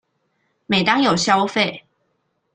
每當有消費